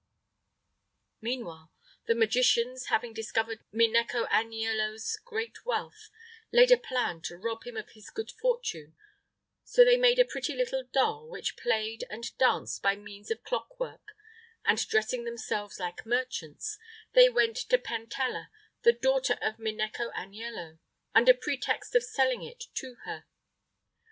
Meanwhile the magicians, having discovered Minecco Aniello's great wealth, laid a plan to rob him of his good fortune; so they made a pretty little doll, which played and danced by means of clockwork, and, dressing themselves like merchants, they went to Pentella, the daughter of Minecco Aniello, under pretext of selling it to her.